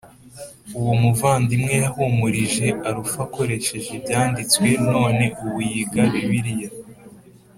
Uwo muvandimwe yahumurije alf akoresheje ibyanditswe none ubu yiga bibiliya